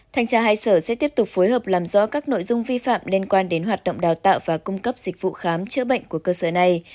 thanh tra hai sở sẽ tiếp tục phối hợp làm rõ các nội dung vi phạm liên quan đến hoạt động đào tạo và cung cấp dịch vụ khám chữa bệnh của cơ sở này